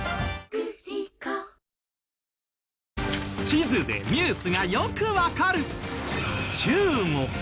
地図でニュースがよくわかる！